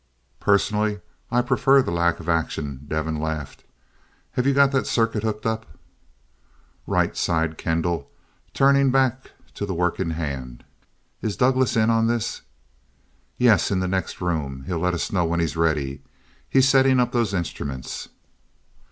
"Personally, I prefer the lack of action." Devin laughed. "Have you got that circuit hooked up?" "Right," sighed Kendall, turning back to the work in hand. "Is Douglass in on this?" "Yes in the next room. He'll let us know when he's ready. He's setting up those instruments."